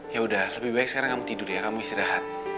yaudah lebih baik sekarang kamu tidur ya kamu istirahat